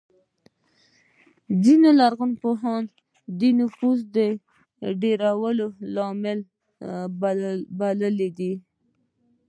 ځینو لرغونپوهانو د نفوسو ډېروالی لامل بللی دی